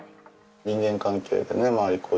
人間関係でね周り